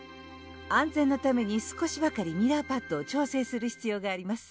安全のために少しばかりミラーパッドを調整する必要があります